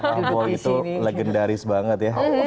aku tuh legendaris banget ya